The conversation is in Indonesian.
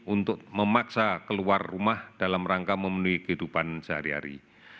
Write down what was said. untuk memaksa keluar rumah dalam rangka memenuhi kehidupan sehari hari